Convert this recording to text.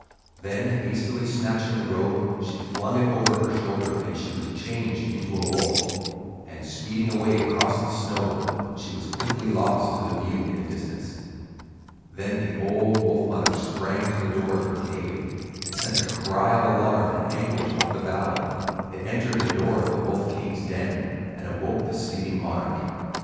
"Then hastily snatching the robe she flung it over her shoulders, and she was changed into a wolf, and, speeding away across the snow, she was quickly lost to view in the distance. Then the old wolf mother sprang to the door of her cave and sent a cry of alarm and anguish up the valley. It entered the door of the Wolf King's den, and awoke the sleeping monarch.